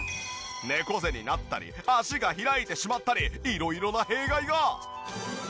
猫背になったり脚が開いてしまったり色々な弊害が。